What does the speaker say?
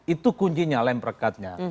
itu kuncinya lem rekatnya